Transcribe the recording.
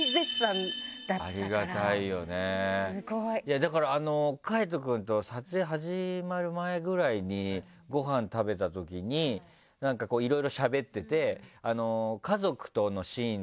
ありがたいよねだから海人くんと撮影始まる前ぐらいにごはん食べたときにいろいろしゃべってて家族とのシーンの話になって。